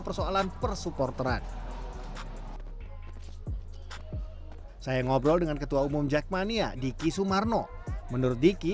persoalan persupporteran saya ngobrol dengan ketua umum jackmania diki sumarno menurut diki